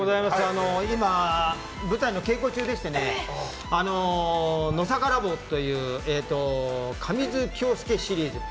今舞台の稽古中でしてノサカラボという神津恭介シリーズ。